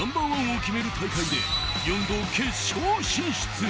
１を決める大会で４度、決勝進出。